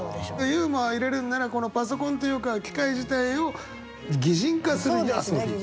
ユーモア入れるんならこのパソコンというか機械自体を擬人化する。